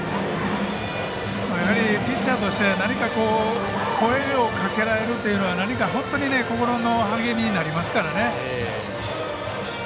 やはりピッチャーとして何か声をかけられるというのは心の励みになりますからね。